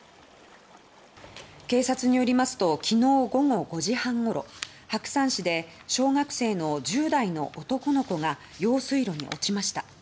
警察によりますと昨日午後５時半ごろ白山市で小学生の１０代の男の子が用水路に落ちました。